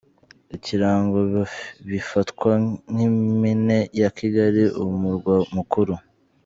Ikirango Bifatwa nk’impine ya Kigali Umurwa Mukuru.